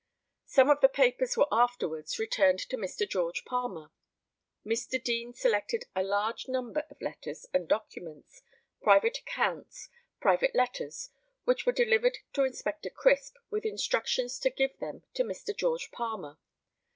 Some of the papers were afterwards returned to Mr. George Palmer. Mr. Deane selected a large number of letters and documents, private accounts, private letters, which were delivered to Inspector Crisp, with instructions to give them to Mr. George Palmer.